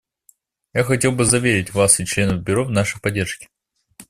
Я хотел бы заверить Вас и членов Бюро в нашей поддержке.